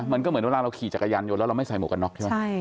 มันก็เหมือนเวลาเราขี่จักรยานยนต์แล้วเราไม่ใส่หมวกกันน็อกใช่ไหม